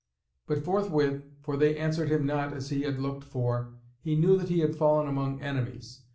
But forthwith, for they answered him not as he had looked for, he knew that he had fallen among enemies.